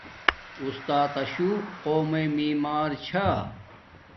استاتشو قومیے معمار چھا